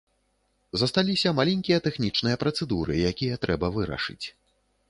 Засталіся маленькія тэхнічныя працэдуры, якія трэба вырашыць.